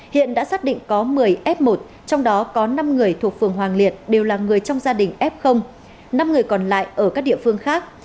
hiện đã xác định có một mươi f một trong đó có năm người thuộc phường hoàng liệt đều là người trong gia đình f năm người còn lại ở các địa phương khác